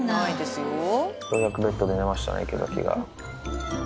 ようやくベッドで寝ましたね、池崎が。